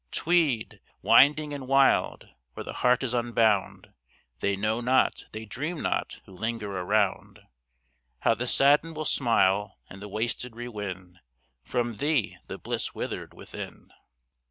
Tweed! winding and wild! where the heart is unbound, They know not, they dream not, who linger around, How the saddened will smile, and the wasted rewin From thee the bliss withered within.